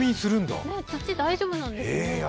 土大丈夫なんですかね。